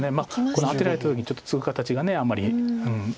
これアテられた時にちょっとツグ形があんまり。